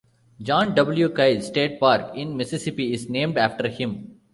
John W. Kyle State Park, in Mississippi, is named after him.